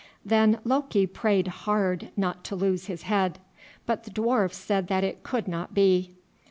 Then Loki prayed hard not to lose his head, but the dwarf said that could not be.